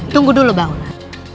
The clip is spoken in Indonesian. tunggu dulu baola